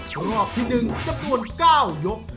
รอบที่๑จำนวน๙ยก